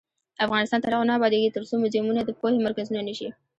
افغانستان تر هغو نه ابادیږي، ترڅو موزیمونه د پوهې مرکزونه نشي.